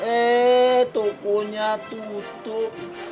eh tokonya tutup